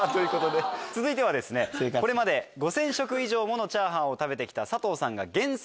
続いては５０００食以上ものチャーハンを食べて来た佐藤さんが厳選。